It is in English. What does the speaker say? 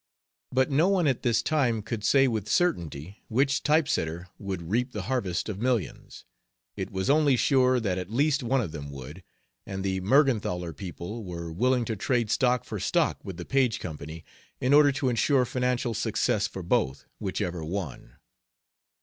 But no one at this time could say with certainty which typesetter would reap the harvest of millions. It was only sure that at least one of them would, and the Mergenthaler people were willing to trade stock for stock with the Paige company in order to insure financial success for both, whichever won.